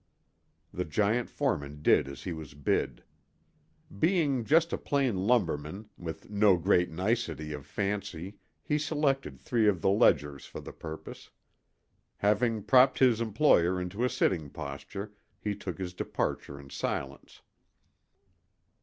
The giant foreman did as he was bid. Being just a plain lumberman, with no great nicety of fancy he selected three of the ledgers for the purpose. Having propped his employer into a sitting posture, he took his departure in silence.